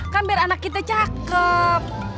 kan biar anak kita cakep